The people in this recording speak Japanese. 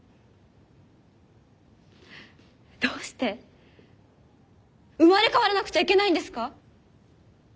どうして生まれ変わらなくちゃいけないんですか？